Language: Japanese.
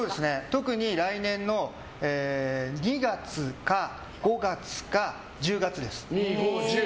特に来年の２月か５月か１０月です。